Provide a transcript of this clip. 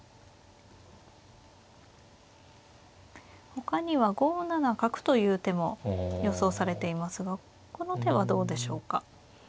ほかには５七角という手も予想されていますがこの手はどうでしょうか。